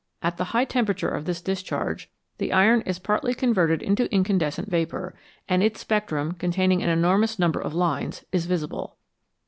At the high temperature of this discharge, the iron is partly converted into incandescent vapour, and its spectrum, containing an enormous number of lines, is visible.